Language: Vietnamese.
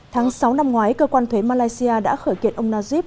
tháng sáu năm ngoái cơ quan thuế malaysia đã khởi kiện ông najib